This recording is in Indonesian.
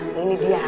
nah ini dia